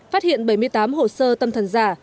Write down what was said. phát hiện bảy mươi tám hồ sơ tâm thần giả